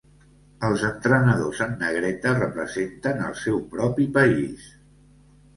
Els entrenadors en negreta representen el seu propi país.